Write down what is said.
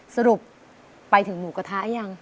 สรุปไปถึงหมูกระทะยัง